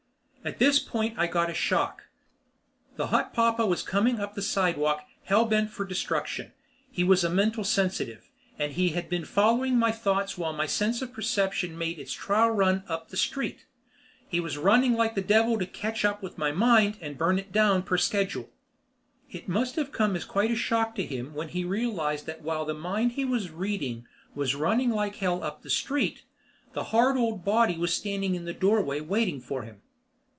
At this point I got a shock. The hot papa was coming up the sidewalk hell bent for destruction. He was a mental sensitive, and he had been following my thoughts while my sense of perception made its trial run up the street. He was running like the devil to catch up with my mind and burn it down per schedule. It must have come as quite a shock to him when he realized that while the mind he was reading was running like hell up the street, the hard old body was standing in the doorway waiting for him.